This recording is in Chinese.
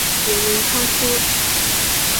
原名昌枢。